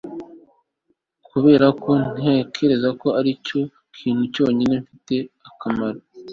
kubera ko ntekereza ko ari cyo kintu cyonyine gifite akamaro